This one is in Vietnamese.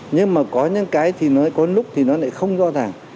nhưng mà có những cái thì nó có lúc thì nó lại không rõ ràng